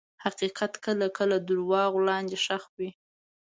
حقیقت کله کله د دروغو لاندې ښخ وي.